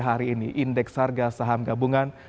hari ini indeks harga saham gabungan